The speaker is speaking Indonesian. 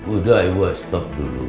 udah ibu stop dulu